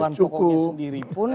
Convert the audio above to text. bahkan kebutuhan pokoknya sendiri pun